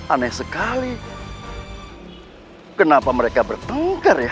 aneh sekali kenapa mereka bertengkar ya